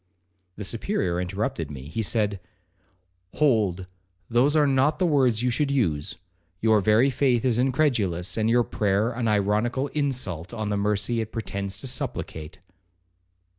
The Superior interrupted me. He said, 'Hold, those are not the words you should use. Your very faith is incredulous, and your prayer an ironical insult on the mercy it pretends to supplicate.'